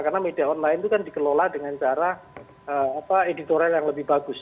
karena sentimennya dikelola dengan cara editorial yang lebih bagus